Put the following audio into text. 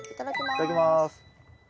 いただきます。